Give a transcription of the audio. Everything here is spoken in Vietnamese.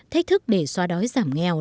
thách thức để xóa đói giảm nghèo